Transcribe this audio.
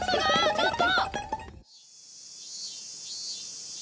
ちょっと！